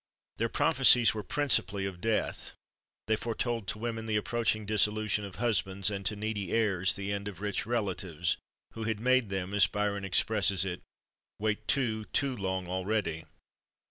Their prophecies were principally of death. They foretold to women the approaching dissolution of husbands, and to needy heirs the end of rich relatives, who had made them, as Byron expresses it, "wait too, too long already."